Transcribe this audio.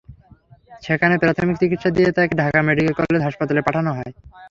সেখানে প্রাথমিক চিকিৎসা দিয়ে তাঁকে ঢাকা মেডিকেল কলেজ হাসপাতালে পাঠানো হয়।